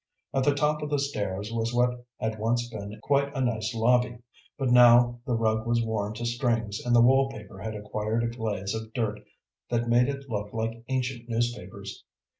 At the top of the stairs was what had once been quite a nice lobby. But now the rug was worn to strings and the wallpaper had acquired a glaze of dirt that made it look like ancient newspapers.